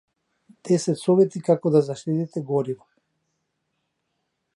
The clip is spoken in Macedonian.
Десет совети како да заштедите гориво